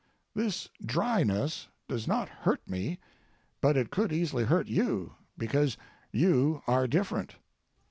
This dryness does not hurt me, but it could easily hurt you, because you are different.